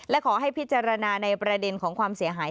และขอให้พิจารณาในประเด็นของความเสียหาย